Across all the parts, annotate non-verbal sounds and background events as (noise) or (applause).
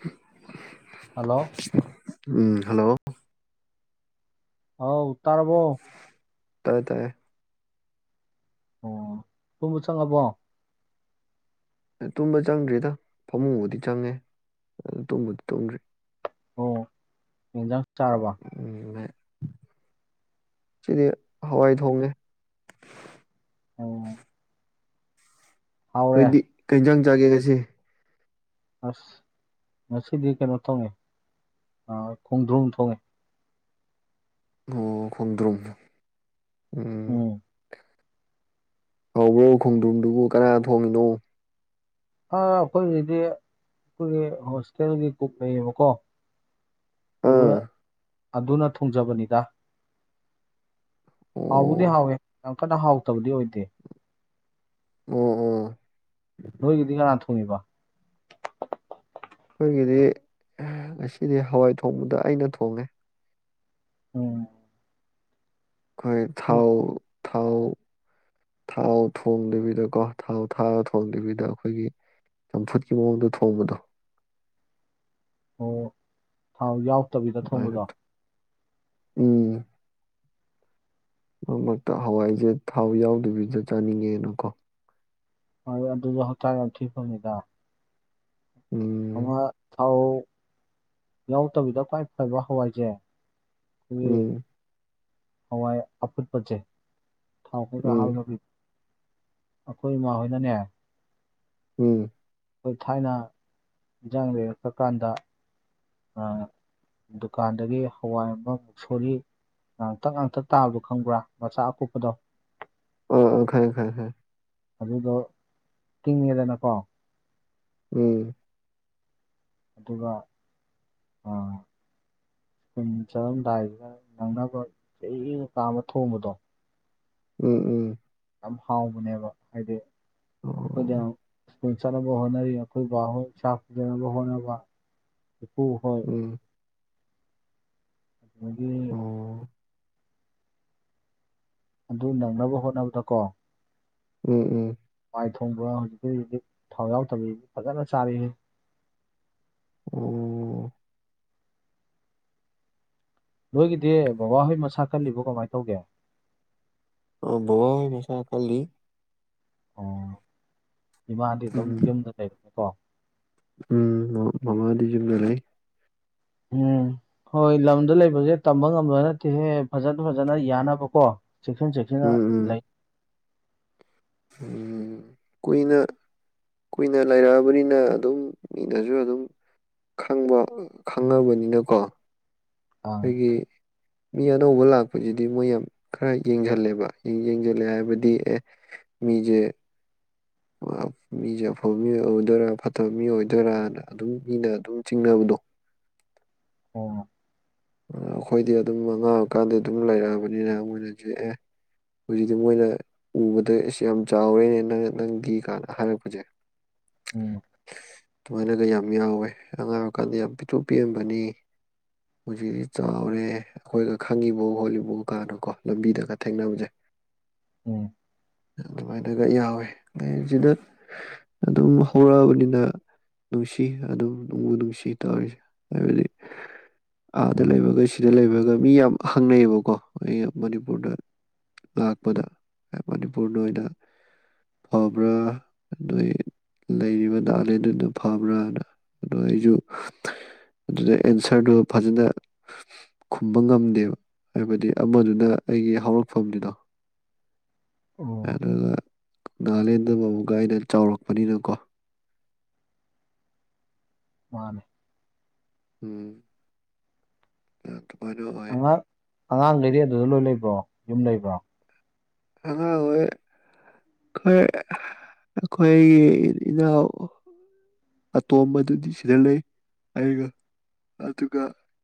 ꯑ ꯍꯜꯂꯣ ꯎꯝ ꯍꯜꯂꯣ ꯍꯥꯎ ꯎ ꯇꯔꯕꯣ ꯇꯥꯏꯌꯦ ꯇꯥꯏꯌꯦ ꯑꯣ ꯊꯨꯝꯕ ꯆꯪꯉꯕꯣ ꯇꯨꯝꯕ ꯆꯪꯗ꯭ꯔꯤꯗ ꯐꯃꯨꯡꯕꯨꯗꯤ ꯆꯪꯉꯦ ꯑꯗꯨ ꯇꯨꯝꯕꯗꯤ ꯇꯨꯝꯗ꯭ꯔꯤ ꯑꯣ ꯌꯦꯗꯥꯡ ꯆꯔꯔꯕ ꯎꯝ ꯁꯤꯗꯤ ꯍꯋꯥꯏ ꯊꯣꯡꯅꯦ ꯑꯣ ꯍꯥꯎꯔꯦ ꯑꯩꯗꯤ ꯀꯩꯖꯥꯡ ꯆꯥꯒꯦ ꯀꯁꯦ ꯑꯁ ꯃꯁꯤꯗꯤ ꯀꯩꯅꯣ ꯇꯣꯡꯉꯦ ꯑ ꯈꯣꯡꯗ꯭ꯔꯨꯝ ꯊꯣꯡꯉꯦ ꯑꯣ ꯈꯣꯡꯗ꯭ꯔꯨꯝ ꯎ ꯎꯝ ꯀꯧꯕꯣ ꯈꯣꯡꯗ꯭ꯔꯨꯝꯗꯨꯕꯨ ꯀꯅꯥ ꯊꯣꯡꯉꯤꯅꯣ ꯑ ꯑꯩꯈꯣꯏꯁꯤꯗꯤ ꯑꯩꯈꯣꯏꯒꯤ ꯍꯣꯁꯇꯦꯜꯒꯤ ꯀꯨꯞ ꯂꯩꯌꯦꯕꯀꯣ ꯑꯗꯨ ꯑꯥ ꯑꯗꯨꯅ ꯊꯣꯡꯖꯕꯅꯤꯗ ꯍꯥꯎꯕꯨꯗꯤ ꯑꯣ ꯍꯥꯎꯋꯦ ꯌꯥꯝ ꯀꯟꯅ ꯍꯥꯎꯇꯕꯗꯤ ꯑꯣꯏꯗꯦ ꯎꯝ ꯎꯥ ꯅꯣꯏꯒꯗꯤ ꯀꯅ ꯊꯣꯡꯉꯕ ꯑꯩꯈꯣꯏꯒꯤꯗꯤ ꯉꯁꯤꯗꯤ ꯍꯋꯥꯏ ꯊꯣꯡꯕꯗ ꯑꯩꯅ ꯊꯣꯡꯉꯦ ꯎꯝ ꯑꯩꯈꯣꯏ ꯊꯥꯎ ꯊꯥꯎ ꯊꯥꯎ ꯊꯣꯡꯗꯕꯤꯗꯀꯣ ꯊꯥꯎ ꯊꯥꯔ ꯊꯣꯡꯗꯕꯤꯗ ꯑꯩꯈꯣꯏꯒꯤ ꯆꯝꯐꯨꯠꯀꯤ ꯃꯑꯣꯡꯗ ꯊꯣꯡꯕꯗꯣ ꯑꯣ ꯊꯥꯎ ꯌꯥꯎꯛꯇꯕꯤꯗ ꯑꯗꯨꯃꯥꯏꯅ ꯊꯣꯡꯕꯗꯣ ꯎꯝ ꯃꯔ ꯃꯔꯛꯇ ꯍꯋꯥꯏꯁꯦ ꯊꯥꯎ ꯌꯥꯎꯗꯕꯤꯗ ꯆꯥꯅꯤꯡꯉꯦꯅꯀꯣ ꯍ ꯑꯗꯨꯁꯨꯣ ꯍꯇꯥꯒ ꯊꯈꯤꯕꯅꯤꯗ ꯎꯝ ꯑꯃ ꯊꯥꯎ ꯌꯥꯎꯗꯕꯤꯗ ꯈ꯭ꯋꯥꯏ ꯐꯕ ꯍꯋꯥꯏꯁꯦ ꯑꯩꯈꯣꯏꯒꯤ ꯎꯝ ꯍꯋꯥꯏ ꯑꯨꯠꯄꯆꯦ ꯊꯥꯎ ꯀ ꯍꯥ ꯎꯝ ꯂ ꯑꯩꯈꯣꯏ ꯏꯃꯥ ꯍꯣꯏꯅꯅꯦ ꯎꯝ ꯑꯩꯈꯣꯏ ꯊꯥꯏꯅ ꯏꯟꯁꯥꯡ ꯂꯩꯔꯛꯄ ꯀꯥꯟꯗ ꯗꯨꯀꯥꯟꯗꯒꯤ ꯍꯋꯥꯏ ꯑꯃꯃꯨꯛ ꯁꯣꯜꯂꯤ ꯉꯥꯡꯇꯛ ꯉꯥꯡꯇꯛ ꯇꯥꯕꯗꯣ ꯈꯪꯕ꯭ꯔꯥ ꯃꯆꯥ ꯑꯀꯨꯞꯄꯗꯣ ꯑ ꯈꯥꯏ ꯈ ꯑꯗꯨꯗꯣ ꯇꯤꯡꯉꯦꯗꯅꯀꯣ ꯎꯝ ꯑꯗꯨꯒ ꯁꯨꯜ ꯆꯠꯂꯝꯗꯥꯏꯁꯤꯗ ꯅꯪꯅꯕ ꯀ ꯀꯥ ꯑꯃ ꯊꯣꯡꯕꯗꯣ ꯎꯝ ꯎꯝ ꯌꯥꯝ ꯍꯥꯎꯕꯅꯦꯕ ꯍꯥꯏꯗꯤ ꯎꯝ ꯑꯩꯈꯣꯏꯗ ꯑꯣ ꯑꯩꯈꯣꯏ ꯆꯠꯅꯕ ꯍꯣꯠꯅꯔꯤ ꯑꯩꯈꯣꯏ ꯕꯥ ꯍꯣꯏ ꯁꯥ ꯄꯨꯖꯅꯕ ꯍꯣꯠꯅꯕ ꯏꯄꯨ ꯍꯣꯏ ꯎꯝ ꯃꯥꯒꯤ ꯑꯣ ꯑꯗꯨ ꯅꯪꯅꯕ ꯍꯣꯠꯅꯕꯗꯀꯣ ꯎꯝ ꯎꯝ ꯥꯏ ꯊꯣꯡꯕ ꯍꯧꯖꯤꯛꯤ ꯍꯧꯖꯤꯛ ꯊꯥꯎꯖꯥꯎ ꯇꯧꯕꯤꯁꯤ ꯐꯖꯅ ꯆꯥꯔꯤ ꯎ ꯅꯣꯏꯒꯤꯗꯤ ꯕꯕꯥꯍꯣꯏ ꯃꯁꯥ ꯈꯜꯂꯤꯕꯣ ꯀꯃꯥꯏꯅ ꯇꯧꯒꯦ ꯑ ꯕꯕ ꯃꯁꯥ ꯀꯜꯂꯤ ꯑꯣ ꯏꯃꯥꯗꯤ ꯑꯗꯨꯝ ꯎꯝ ꯌꯨꯝꯗ ꯂꯩꯕꯅꯤꯀꯣ ꯎꯝ ꯃ ꯃꯃꯥꯗꯤ ꯌꯨꯝꯗ ꯂꯩ ꯎꯝ ꯍꯣꯏ ꯂꯝꯗ ꯂꯩꯕꯁꯦ ꯇꯝꯕ ꯉꯝꯗꯕ ꯅꯠꯇꯦꯍꯦ ꯐꯖꯅ ꯐꯖꯅ ꯌꯥꯅꯕꯀꯣ ꯆꯦꯛꯁꯤꯟ ꯆꯦꯛꯁꯤꯟꯅ ꯎꯝ ꯎꯝ ꯂꯩ ꯀꯨꯏꯅ ꯀꯨꯏꯅ ꯂꯩꯔꯛꯑꯕꯅꯤꯅ ꯑꯗꯨꯝ ꯃꯤꯅꯁꯨ ꯑꯗꯨꯝ ꯈꯪꯕ ꯈꯪꯉꯕꯅꯤꯅꯀꯣ ꯑꯥ ꯑꯩꯈꯣꯏꯒꯤ ꯃꯤ ꯑꯅꯧꯕ ꯂꯥꯛꯄꯁꯤꯗꯤ ꯃꯣꯏ ꯌꯥꯝ ꯈꯔ ꯌꯦꯡꯁꯤꯜꯂꯦꯕ ꯌꯦꯡꯁꯤꯜꯂꯦ ꯍꯥꯏꯕꯗꯤ ꯑꯦ ꯃꯤꯖꯦ (unintelligible) ꯃꯤꯁꯦ ꯑꯐꯕ ꯃꯤ ꯑꯣꯏꯗꯣꯏꯔꯥ ꯐꯠꯇꯕ ꯃꯤ ꯑꯣꯏꯗꯣꯏꯔꯥꯅ ꯑꯗꯨꯝ ꯃꯤꯅ ꯑꯗꯨꯝ ꯆꯤꯡꯅꯕꯗꯣ ꯑꯣ ꯑꯩꯈꯣꯏꯗꯤ ꯑꯗꯨꯝ ꯑꯉꯥꯡꯕꯀꯥꯟꯗꯤ ꯑꯗꯨꯝ ꯂꯩꯔꯛꯑꯕꯅꯤꯅ ꯃꯣꯏꯅ ꯌꯦꯛꯑꯦ ꯍꯧꯖꯤꯛꯇꯤ ꯃꯣꯏꯅ ꯎꯕꯗ ꯌꯥꯝ ꯆꯥꯎꯔꯦꯅꯦ ꯅꯪ ꯅꯪꯒꯤ ꯀꯥꯏꯅ ꯍꯥꯏꯔꯛꯄꯁꯦ ꯑꯣ ꯑꯗꯨꯨꯃꯥꯏꯅꯒ ꯌꯥꯝ ꯌꯥꯎꯋꯦ ꯑꯉꯥꯏꯔ ꯀꯥꯟꯗ ꯌꯥꯝ ꯄꯤꯊꯣꯛ ꯄꯤꯑꯝꯕꯅꯤ ꯍꯧꯖꯤꯛ ꯆꯥꯎꯔꯦ ꯑꯩꯈꯣꯏꯒ ꯈꯪꯉꯤꯕ ꯈꯣꯠꯂꯤꯕꯧ ꯀꯥꯟꯅꯀꯣ ꯂꯝꯕꯤꯗꯒ ꯊꯦꯡꯅꯕꯁꯦ ꯎꯝ ꯑꯗꯨꯃꯥꯏꯅꯒ ꯌꯥꯎꯋꯦ ꯑꯗꯩ ꯁꯤꯗ ꯑꯗꯨꯝ ꯍꯧꯔꯛꯑꯕꯅꯤꯅ ꯅꯨꯡꯁꯤ ꯑꯗꯨꯝ ꯅꯨꯡꯕꯨ ꯅꯨꯡꯁꯤ ꯇꯧꯔꯤꯁꯦ ꯍꯥꯏꯕꯗꯤ ꯑꯥꯗ ꯎꯝ ꯂꯩꯕꯒ ꯁꯤꯗ ꯂꯩꯕꯒ ꯃꯤ ꯌꯥꯝ ꯍꯪꯅꯩꯑꯌꯦꯕꯀꯣ ꯑꯩ ꯃꯅꯤꯄꯨꯔꯗ ꯂꯥꯛꯄꯗ ꯃꯅꯤꯄꯨꯔꯅ ꯑꯣꯏꯅ ꯐꯥꯎꯕ꯭ꯔ ꯅꯣꯏ ꯂꯩꯔꯤꯕ ꯅꯥꯍꯂꯦꯟꯗꯨꯅ ꯐꯕ꯭ꯔꯥꯅ ꯑꯗꯣ ꯑꯩꯁꯨ ꯑꯗꯨꯗ ꯑꯦꯟꯁꯔꯗꯨ ꯐꯖꯅ ꯈꯨꯝꯕ ꯉꯝꯗꯦꯕ ꯍꯥꯏꯕꯗꯤ ꯑꯃꯗꯨꯅ ꯑꯩꯒꯤ ꯍꯧꯔꯛꯐꯝꯗꯨꯗꯣ ꯑꯣ ꯑꯗꯨꯒ ꯅꯥꯒꯥꯂꯦꯟꯗ ꯃꯕꯨꯛꯀ ꯑꯅ ꯆꯥꯎꯔꯛꯄꯅꯤꯅꯀꯣ ꯃꯥꯅꯦ ꯎꯝ ꯑ ꯇꯃꯅꯣ ꯑꯣꯏ ꯑꯉꯥꯡ ꯑꯉꯥꯡꯈꯩꯗꯤ ꯑꯗꯨꯗ ꯂꯣꯏ ꯂꯩꯕ꯭ꯔꯣ ꯌꯨꯝ ꯂꯩꯕ꯭ꯔꯣ ꯑꯉꯥꯡ ꯑꯣꯏꯣꯏ ꯈꯣꯏ ꯑꯩꯈꯣꯏ ꯏꯅꯥꯎ ꯍꯠꯇ ꯑꯣꯝꯕꯗꯨꯁꯤꯂꯦ ꯑꯩꯒ ꯑꯗꯨꯒ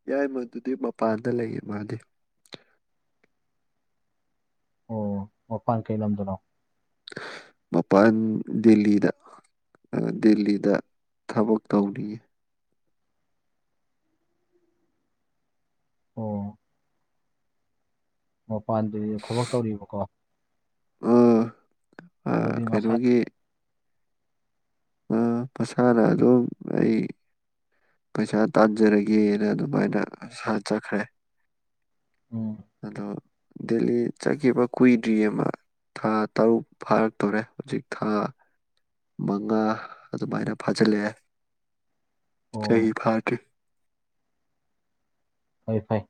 ꯌꯥꯏ ꯃꯗꯨꯗꯤ ꯃꯄꯥꯟꯗ ꯂꯩꯌꯦ ꯃꯥꯗꯤ (unintelligible) ꯑꯣ ꯃꯄꯥꯟ ꯀꯩ ꯂꯝꯗꯅꯣ ꯃꯄꯥꯟ ꯗꯦꯜꯂꯤꯗ ꯗꯦꯜꯂꯤꯗ ꯊꯕꯛ ꯇꯧꯅꯤꯡꯉꯤ ꯃꯄꯥꯟꯗ ꯊꯕꯛ ꯇꯧꯔꯤꯕꯀꯣ ꯑꯥ ꯍꯂꯗꯤ ꯃꯁꯥꯏ ꯑ ꯃꯁꯥꯅ ꯑꯗꯨꯝ ꯑꯩ ꯄꯩꯁꯥ ꯇꯥꯟꯖꯔꯒꯦꯅ ꯑꯗꯨꯃꯥꯏꯅ ꯆꯠꯈ꯭ꯔꯦ ꯎꯝ ꯑꯗ ꯗꯦꯜꯂꯤ ꯆꯥꯀꯤ ꯑꯃ ꯀꯨꯏꯗ꯭ꯔꯤꯌꯦ ꯑꯃ ꯊꯥ ꯇꯔꯨꯛ ꯐꯥꯔꯛꯇꯣꯔꯦ ꯍꯧꯖꯤꯛ ꯊꯥ ꯃꯉꯥ ꯑꯗꯨꯃꯥꯏꯅ ꯐꯥꯖꯤꯜꯂꯑꯦ ꯆꯍꯤꯍꯤ ꯑꯣ ꯈꯥꯠ ꯐꯩ ꯐꯩ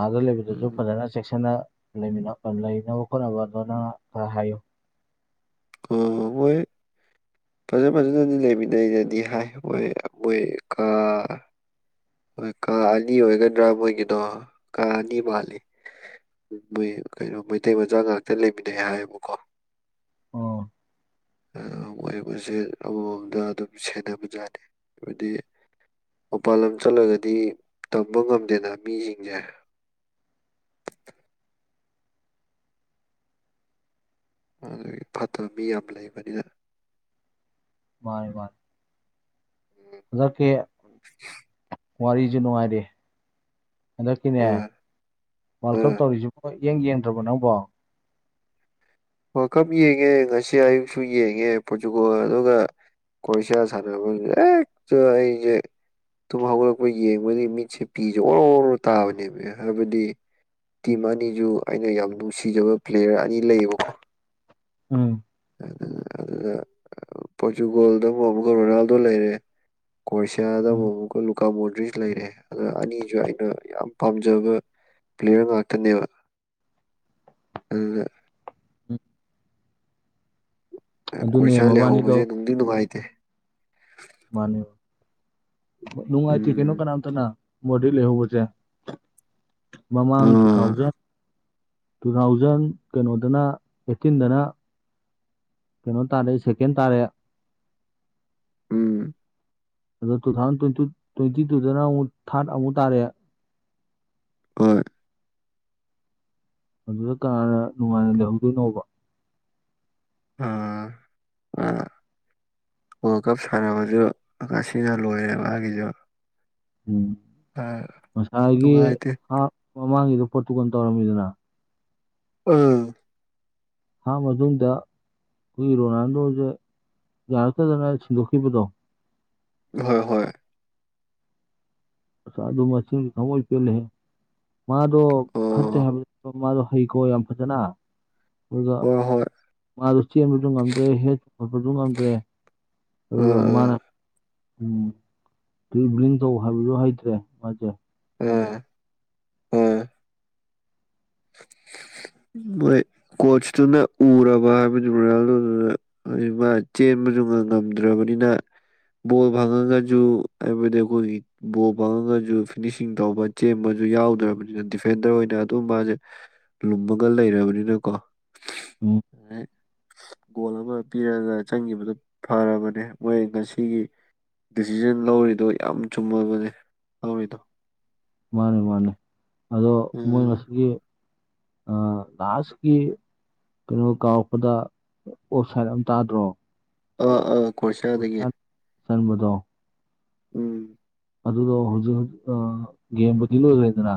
ꯑꯥꯗ ꯂꯩꯕꯗꯨꯁꯨ ꯎꯝ ꯐꯖꯅ ꯆꯦꯛꯁꯤꯟꯅ ꯂꯩꯃꯤꯄ ꯂꯩꯅꯕ ꯈꯣꯠꯅꯕ ꯑꯗꯨꯅꯪ ꯈꯔ ꯍꯥꯏꯌꯨ ꯑ ꯃꯣꯏ ꯐꯖ ꯐꯖꯅꯗꯤ ꯂꯩꯃꯤꯟꯅꯩꯩꯅꯗꯤ ꯍꯥꯏ ꯍꯣꯏ ꯃꯣꯏ ꯀ ꯍꯣꯏ ꯀꯥ ꯑꯅꯤ ꯑꯣꯏꯒꯗ꯭ꯔꯥ ꯃꯣꯏꯒꯤꯅꯣ ꯀꯥ ꯑꯅꯤ ꯃꯥꯜꯂꯤ ꯃ ꯀꯩꯅꯣ ꯃꯩꯇꯩ ꯃꯆꯥ ꯉꯥꯛꯇ ꯂꯩꯃꯤꯟꯅꯩ ꯍꯥꯏꯌꯦꯕꯀꯣ ꯎꯝ ꯑ ꯃꯁꯦ ꯑꯃꯃꯝꯗ ꯑꯗꯨꯝ ꯁꯦꯟꯅꯕ ꯌꯥꯥꯠꯅꯤ ꯍꯥꯏꯕꯗꯤ ꯃꯄꯥꯜ ꯂꯝ ꯆꯠꯂꯒꯗꯤ ꯇꯝꯕ ꯉꯝꯗꯦꯅ ꯃꯤꯁꯤꯡꯁꯦ ꯑꯗꯨꯗꯒꯤ ꯐꯠꯇꯕ ꯃꯤ ꯌꯥꯝ ꯂꯩꯕꯅꯤꯅ ꯔꯦ ꯋꯥꯔ ꯑꯀꯦ ꯋꯥꯔꯤꯖꯅ ꯍꯥꯏꯔꯦ ꯍꯟꯗꯛꯀꯤꯅꯦ ꯑꯥ ꯋꯥꯔꯜ ꯀꯞ ꯑꯥ ꯇꯧꯔꯤꯁꯤꯕꯣꯏ ꯌꯦꯡ ꯌꯦꯡꯗ꯭ꯔꯕ ꯅꯕꯣ ꯑꯣ ꯀꯞ ꯌꯦꯡꯉꯦ ꯉꯁꯤ ꯑꯌꯨꯛꯁꯨ ꯌꯦꯡꯉꯦ ꯄꯣꯔꯆꯨꯒꯣ ꯑꯗꯨꯒ ꯀꯣꯏꯁꯥꯁꯔꯛꯇꯣ ꯑꯩꯦ ꯑꯗꯨꯨꯝ ꯍꯧꯒꯠꯂꯛꯄ ꯌꯦꯡꯕꯒꯤ ꯃꯤꯠꯁꯦ ꯄꯤꯤꯁꯦ ꯑꯣꯔꯣ ꯑꯣꯔꯣ ꯇꯥꯕꯅꯦꯕ ꯍꯥꯏꯕꯗꯤ ꯇꯤꯝ ꯑꯅꯤꯁꯨ ꯑꯩꯅ ꯌꯥꯝ ꯅꯨꯡꯁꯤꯖꯕ ꯄ꯭ꯂꯦꯌꯔ ꯑꯅꯤ ꯂꯩꯌꯦꯕꯀꯣ ꯎꯝ ꯑꯗꯨꯗ ꯄꯣꯔꯆꯨꯒꯜꯗ ꯑꯃꯨꯛ ꯑꯃꯨꯀ ꯔꯣꯅꯥꯜꯗꯣ ꯂꯩꯔꯦ ꯀ꯭ꯔꯣꯁꯤꯌꯥꯗ ꯎꯝ ꯑꯃꯨꯛ ꯑꯃꯨꯛꯀ ꯂꯨꯀꯥ ꯃꯣꯟꯗ꯭ꯔꯤꯁ ꯂꯩꯔꯦ ꯑꯗ ꯑꯅꯤꯁꯨ ꯑꯩꯅ ꯌꯥꯝ ꯄꯥꯝꯖꯕ ꯄꯤꯜꯂꯤꯤꯔ ꯉꯅꯥꯇꯟꯅꯦꯕ ꯑ ꯎꯝ ꯑꯗꯨꯅꯦ ꯀꯣꯏꯁꯥ ꯃꯕꯥꯅꯤꯗꯣ ꯂꯩꯍꯧꯕꯁꯦ ꯅꯨꯡꯗꯤ ꯅꯨꯡꯉꯥꯏꯇꯦ ꯅꯨꯡꯉꯥꯏ ꯊ ꯀꯅꯣ ꯎꯝ ꯀꯅꯥꯝ ꯊꯅ ꯃꯣꯗꯤ ꯂꯩꯦꯍꯁꯦ ꯃꯃꯥꯡ ꯇꯨ ꯑꯥ ꯊꯥꯎꯖꯟ ꯇꯨ ꯊꯥꯎꯖꯟ ꯀꯩꯅꯣꯗꯅ ꯑꯦꯠꯇꯤꯟꯗꯅ ꯀꯩꯅꯣ ꯇꯥꯔꯦ ꯁꯦꯀꯦꯟ ꯇꯥꯔꯦ ꯎꯝ ꯑꯗꯣ ꯇꯨ ꯊꯥꯎꯖꯟ ꯇ꯭ꯋꯦꯟꯇꯤ ꯇ꯭ꯋꯦꯟꯇꯤ ꯇꯨꯗꯅ ꯑꯃꯨꯛ ꯊꯥꯔꯠ ꯑꯃꯨꯛ ꯇꯥꯔꯛꯦ ꯍꯣꯏ ꯑꯗꯨꯗ ꯀꯅꯥꯅ ꯅꯨꯡꯉꯥꯏꯅ ꯂꯩꯍꯧꯗꯣꯏꯅꯣꯕ ꯑꯥ ꯑꯥ ꯋꯥꯔꯜ ꯀꯞ ꯁꯥꯟꯅꯕꯁꯨ ꯉꯁꯤꯅ ꯂꯣꯏꯔꯦ ꯃꯥꯒꯤꯁꯨ ꯎꯝ ꯑꯥ ꯃꯁꯥꯏꯒꯤ ꯅꯨꯡꯉꯥꯏꯇꯦ ꯍꯥ ꯃꯃꯥꯡꯒꯤꯗꯣ ꯄꯣꯠꯇꯨ ꯀꯅ ꯇꯧꯔꯝꯃꯤꯗꯅ ꯎꯝ ꯍꯥꯥ ꯃꯖꯨꯝꯗ ꯑꯩꯈꯣꯏꯒꯤ ꯔꯣꯅꯥꯜꯗꯣꯁꯦ ꯌꯥꯔꯛꯇꯗꯅ ꯁꯤꯟꯗꯣꯛꯈꯤꯕꯗꯣ ꯍꯣꯏ ꯍꯣꯏ ꯁꯥꯨ ꯃ ꯈꯃꯣ ꯄꯤꯂꯦ ꯍꯦ ꯃꯥꯗ ꯐꯠꯇꯦ ꯑꯣ ꯃꯥꯗꯣ ꯍꯩꯀꯣ ꯌꯥꯝ ꯐꯖꯅ ꯑꯗꯨꯒ ꯍꯣꯏ ꯍꯣꯏ ꯃꯥꯗꯨ ꯆꯦꯟꯕꯁꯨ ꯉꯝꯗ꯭ꯔꯦ ꯍꯦ ꯈꯠꯄꯁꯨ ꯉꯝꯗ꯭ꯔꯦ ꯑ ꯑꯥ ꯑꯃꯅ ꯑꯥ ꯎꯝ ꯇꯔꯤꯚꯂꯤꯡ ꯇꯧ ꯍꯥꯏꯕꯁꯨ ꯍꯩꯇ꯭ꯔꯦ ꯃꯥꯁꯦ ꯎꯝ ꯎꯝ (inaudible) ꯣꯏ ꯀꯣꯆꯇꯨꯅ ꯎꯔꯕ ꯍꯥꯏꯕꯗꯤ ꯃꯜꯗꯨꯅ ꯃꯥ ꯆꯦꯟꯕꯁꯨ ꯉ ꯉꯝꯗ꯭ꯔꯕꯅꯤ ꯑꯅꯥ ꯕꯣꯜ ꯐꯪꯉꯒꯁꯨ ꯍꯥꯏꯕꯗꯤ ꯑꯩꯈꯣꯏꯒꯤ ꯕꯣꯜ ꯐꯪꯉꯒꯁꯨ ꯐꯤꯅꯤꯁꯤꯡ ꯇꯧꯕ ꯆꯕꯁꯨ ꯁꯨ ꯌꯥꯎꯗ꯭ꯔꯕꯅꯤꯅ ꯗꯤꯐꯦꯟꯗꯔ ꯑꯣꯏꯅ ꯑꯗꯨ ꯃꯥꯁꯦ ꯂꯨꯝꯃꯒ ꯂꯩꯔꯕꯅꯤꯅꯀꯣ ꯑ ꯎꯝ ꯒꯣꯜ ꯑꯃ ꯄꯤꯔꯒ ꯆꯪꯈꯤꯕꯗꯨ ꯐꯔꯕꯅꯦ ꯃꯣꯏ ꯉꯁꯤꯒꯤ ꯗꯤꯁꯤꯖꯟ ꯂꯧꯔꯤꯗꯣ ꯌꯥꯝ ꯆꯨꯝꯃꯕꯅꯦ ꯂꯧꯔꯤꯗꯣ ꯃꯥꯅꯤ ꯃꯥꯅꯤ ꯑꯗꯣ ꯃꯣꯏ ꯎꯝ ꯉꯁꯤꯒꯤ ꯑ ꯂꯥꯁꯀꯤ ꯀꯩꯅꯣ ꯀꯥꯎꯔꯛꯄꯗ ꯑꯣꯞ ꯁꯥꯏꯠ ꯑ ꯇꯥꯗ꯭ꯔꯣ ꯑꯥ ꯑꯥ ꯑꯣꯞ ꯈꯔꯁꯥꯗꯗꯒꯤꯦ ꯁꯥꯏꯠ ꯆꯟꯕꯗꯣ ꯎꯝ ꯑꯗꯨꯗꯣ ꯍꯧꯖꯤꯛ ꯑ ꯒꯦꯝꯕꯨꯗꯤ ꯂꯣꯏꯒ꯭ꯔꯦꯗꯅ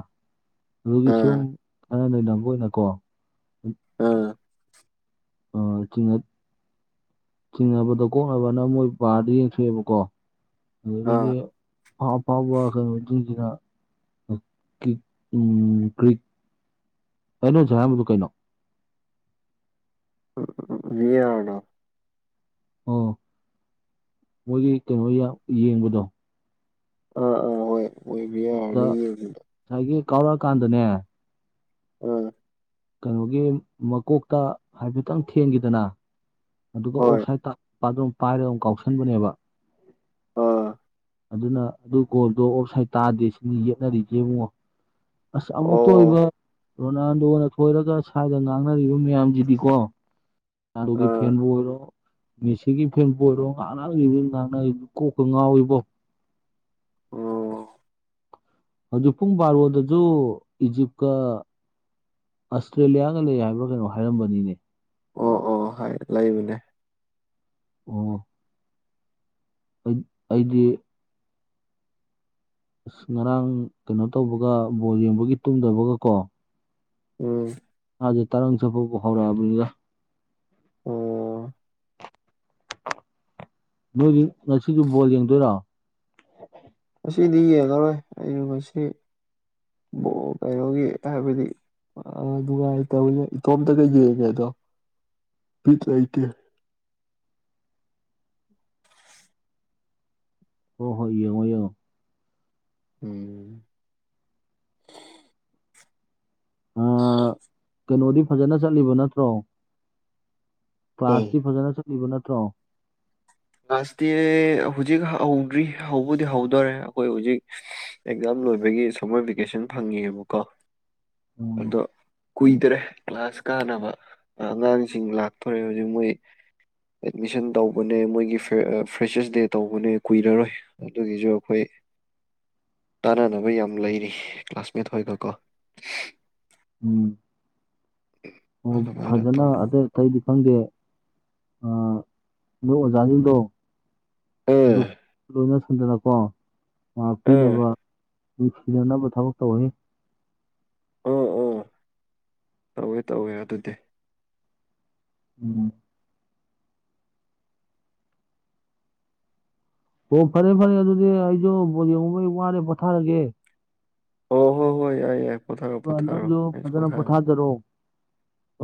ꯑꯗꯨꯒꯤ ꯁꯨꯝ ꯑꯥ ꯑꯅ ꯂꯩꯅꯕ ꯑꯣꯏꯅꯀꯣ (unintelligible) ꯑ ꯊꯤꯡꯍꯠ ꯆꯤꯡꯅꯕꯗꯣ ꯀꯣꯛꯅꯕꯅ ꯃꯣꯏ ꯄꯥꯔꯗ ꯌꯦꯡꯊꯣꯛꯑꯦꯕꯀꯣ꯫ ꯑꯗꯨꯒꯤꯗꯤ ꯑꯥ ꯄꯥ ꯑꯄꯥꯕ ꯀꯩꯅꫭꯗꯒꯤꯗꯨꯅ ꯎ ꯀꯤꯛ ꯎꯝ ꯒ꯭ꯔꯤꯛ ꯀꯩꯅꯣꯁꯨ ꯍꯥꯏꯔꯝꯕꯗꯨ ꯀꯩꯅꯣ꯫ (unintelligible) ꯑꯣ ꯃꯣꯏꯒꯤ ꯀꯩꯅꯣ ꯌꯥ ꯌꯦꯡꯕꯗꯣ ꯑꯥ ꯎ ꯍꯣꯏ꯫ ꯑꯣꯏꯕ ꯑꯗꯨꯗ ꯌꯥꯔꯅꯤ ꯌꯦꯡꯕꯗ ꯉꯁꯥꯏꯒꯤ ꯀꯥꯎꯔꯛꯑꯀꯥꯟꯗꯅꯦ ꯑ ꯀꯩꯅꯣꯒꯤ ꯃꯀꯣꯛꯇ ꯍꯥꯏꯐꯦꯠꯇꯪ ꯊꯦꯟꯈꯤꯗꯅꯥ ꯑꯗꯨꯒ ꯍꯣꯏ ꯑꯣꯐꯁꯥꯏꯗ ꯇꯥ ꯑꯗꯨꯝ ꯄꯥꯏꯔꯒ ꯑꯗꯨꯝ ꯀꯥꯎꯁꯟꯕꯅꯦꯕ꯫ ꯑꯥ ꯑꯗꯨꯅ ꯑꯗꯨ ꯒꯣꯜꯗꯣ ꯑꯣꯐ ꯁꯥꯏꯠ ꯇꯥꯗꯦ ꯁꯤꯅꯤ ꯌꯦꯠꯅꯔꯤꯁꯦ ꯏꯕꯨꯡꯉꯣ꯫ ꯑꯁ ꯑꯣ ꯑꯃꯨꯛꯇ ꯑꯣꯏꯕ ꯔꯣꯅꯥꯜꯗꯣꯅ ꯑꯣꯏꯔꯒ ꯁ꯭ꯋꯥꯏꯗ ꯉꯥꯡꯅꯔꯤꯕ ꯃꯌꯥꯝꯁꯤꯗꯤꯀꯣ ꯑꯗꯨꯒꯤ ꯑꯥ ꯐꯦꯟꯕꯨ ꯑꯣꯏꯔꯣ ꯃꯦꯁꯤꯒꯤ ꯐꯦꯟꯕꯨ ꯑꯣꯏꯔꯣ ꯉꯥꯡꯅꯒꯤ ꯉꯥꯡꯅꯔꯤ ꯀꯣꯛꯀ ꯉꯥꯎꯏꯕꯣ꯫ ꯑꯣ ꯍꯧꯖꯤꯛ ꯄꯨꯡ ꯕꯥꯔꯣꯗꯁꯨ ꯏꯖꯤꯞꯀ ꯑꯁꯇ꯭ꯔꯦꯂꯤꯌꯥꯒ ꯂꯩ ꯍꯥꯏꯕ꯭ꯔꯥ ꯀꯩꯅꯣ ꯍꯥꯏꯔꯝꯕꯅꯤꯅꯦ꯫ ꯑꯣ ꯑꯣ ꯍꯥꯏ ꯂꯩꯕꯅꯦ꯫ ꯑꫭ ꯑꯩ ꯑꯩꯗꯤ ꯑꯁ ꯉꯔꯥꯡ ꯀꯩꯅꯣ ꯇꯧꯕꯒ ꯕꯣꯜ ꯌꯦꯡꯕꯒꯤ ꯇꯨꯝꯗꯕꯒꯀꯣ ꯎꯝ ꯑꯗꯨ ꯇꯔꯪ ꯆꯠꯄꯕꯨ ꯍꯧꯔꯛꯑꯕꯅꯤꯗ꯫ ꯑꯣ ꯅꯣꯏꯗꯤ ꯉꯁꯤꯁꯨ ꯕꯣꯜ ꯌꯦꯡꯗꯣꯏꯔꯣ꯫ ꯁꯤꯗꯤ ꯌꯦꯡꯑꯔꯣꯏ ꯑꯩꯅ ꯃꯁꯤ ꯕꫭ ꯀꯩꯅꯣꯒꯤ ꯇꯍꯥꯏꯕꯗꯤ ꯑ ꯅꯨꯡꯉꯥꯏꯇꯕꯅꯦ ꯏꯇꯣꯝꯇꯒ ꯌꯦꯡꯉꯦꯗꯣ ꯕꯤꯠ ꯂꯩꯇꯦ꯫ ꯍꫭ ꯍꯣꯏ ꯌꯦꯡꯉꫭ-ꯌꯦꯡꯉꫭ꯫ ꯎꯝ ꯑ (inaudible) ꯀꯩꯅꯣꯗꯤ ꯐꯖꯅ ꯆꯠꯂꯤꯕ ꯅꯠꯇ꯭ꯔꯣ ꯎꯝ ꯀ꯭ꯂꯥꯁꯇꯤ ꯐꯖꯅ ꯆꯠ ꯏꯕ ꯅꯠꯇ꯭ꯔꯣ ꯂꯥꯁꯇꯤ ꯍꯧꯖꯤꯛ ꯍꯧꯗ꯭ꯔꯤ ꯍꯧꯕꯗꯤ ꯍꯧꯗꯣꯔꯦ ꯑꯩꯈꯣꯏ ꯍꯧꯖꯤꯛ ꯑꯦꯛꯖꯥꯝ ꯂꯣꯏꯕꯒꯤ ꯁꯝꯃꯔ ꯚꯦꯀꯦꯁꯟ ꯐꯪꯉꯤꯕꯀꯣ ꯎꯝ ꯑꯗꯣ ꯀꯨꯏꯗꯔꯦ ꯀ꯭ꯂꯥꯁ ꯀꯥꯅꯕ ꯑꯉꯥꯡꯁꯤꯡ ꯂꯥꯛꯇꯣꯔꯦ ꯍꯧꯖꯤꯛ ꯃꯣꯏ ꯑꯦꯠꯃꯤꯁꯟ ꯇꯧꯕꯅꯦ ꯃꯣꯏꯒꯤ ꯒꯤ ꯐꯔ ꯑ ꯐ꯭ꯔꯦꯁꯔꯁ ꯗꯦ ꯇꯧꯕꯅꯦ ꯀꯨꯏꯔꯔꯣꯏ ꯑꯗꯨꯒꯤꯁꯨ ꯑꯈꯣꯏ꯫ ꯇꯥꯅꯅꯕ ꯌꯥꯝ ꯂꯩꯔꯤ ꯀ꯭ꯂꯥꯁꯃꯦꯠ ꯍꯣꯏꯒꯀꯣ꯫ ꯎꯝ (inaudible) ꯑꯣ ꯐꯖꯅ ꯇꯧꯅꯕ ꯑꯇꯩ ꯑꯇꯩꯗꯤ ꯈꯪꯗꯦ ꯑꯥ ꯅꫭꯏ ꯑꯣꯖꯥꯁꯤꯡꯗꯣ ꯑꯥ ꯑꯗꯨ ꯂꯣꯏꯅ ꯁꯟꯗꯅꯀꯣ ꯑꯥ ꯉꯥꯛꯄꯤꯅꯕ ꯅꯨꯡꯁꯤꯅꯅꯕ ꯊꯕꯛ ꯇꯧꯋꫭꯍꯦ꯫ ꯑꯣ ꯑꯣ꯫ ꯇꯧꯋꯦ-ꯇꯧꯋꯦ ꯑꯗꯨꯗꯤ꯫ ꯎꯝ ꯑꯣ ꯐꯔꯦ-ꯐꯔꯦ ꯑꯗꯨꯗꯤ ꯑꯩꯁꯨ ꯕꫭꯜ ꯌꯦꯡꯉꯨꯕꯒꯤ ꯋꯥꯔꯦ ꯄꯣꯊꯥꯔꯒꯦ꯫ ꯑꯣ ꯍꯣꯏ ꯍꯣꯏ ꯌꯥꯏ-ꯌꯥꯏ꯫ ꯑꯗꯨꯒ ꯅꯪꯁꯨ ꯐꯖꯅ ꯄꯣꯊꯥꯖꯔꯛꯑꯣ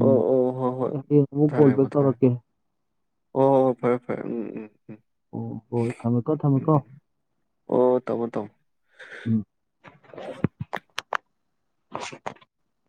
ꯑꯣ ꯑꯣ ꯍꯣꯏ ꯍꯣꯏ ꯎꯝ ꯄꯣꯊꯥꯔꯦ ꯀꯣꯜꯕ ꯄꯣꯊꯥꯔꯦ ꯇꯧꯔꯀꯦ ꯑꯣ ꯐꯔꯦ ꯐꯔꯦ ꯎꯝ ꯎꯝ ꯑꯣ ꯍꯣꯏ ꯊꯝꯃꯦꯀꯣ ꯎꯝ ꯊꯝꯃꯦꯀꯣ ꯎꯝ ꯎ ꯑꯣ ꯇꯃꯣ ꯇꯃꯣ ꯎꯝ (inaudible)